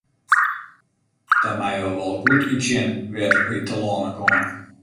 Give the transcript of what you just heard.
Dan meie we wol goed útsjen wêr't we telâne komme.